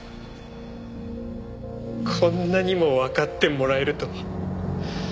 こんなにもわかってもらえるとは。